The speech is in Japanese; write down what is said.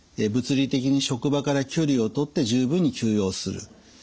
物理的に職場から距離をとって十分に休養する。